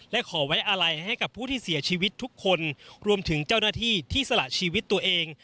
และขอไว้อะไรให้กับผู้ที่เสียชีวิตทุกคนรวมถึงเจ้าหน้าที่ที่สละชีวิตตัวเอง